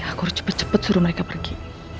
aku harus cepet cepet suruh mereka pergi